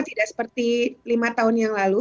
tidak seperti lima tahun yang lalu